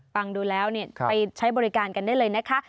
ฟังดูแล้วไปใช้บริการกันได้เลยนะคะ